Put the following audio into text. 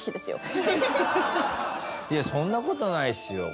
いやそんな事ないですよ。